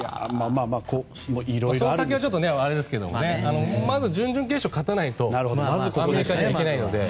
その先はあれですけどまず準々決勝を勝たないとアメリカに行けないので。